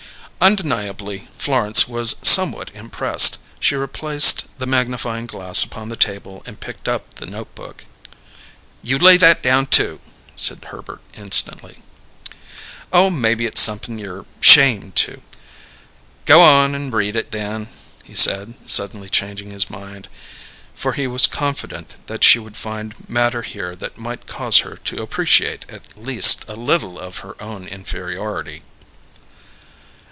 Undeniably, Florence was somewhat impressed: she replaced the magnifying glass upon the table and picked up the notebook. "You lay that down, too," said Herbert instantly. "Oh, maybe it's somep'n you're 'shamed to " "Go on and read it, then," he said, suddenly changing his mind, for he was confident that she would find matter here that might cause her to appreciate at least a little of her own inferiority.